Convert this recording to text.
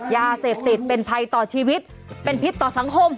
ยาเสพติดเป็นภัยต่อชีวิตเป็นพิษต่อสังคม